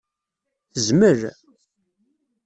Tezmel?